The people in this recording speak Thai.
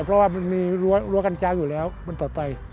เพราะว่ามีรวศาขนช้างอยู่แล้วมันปลอดภัย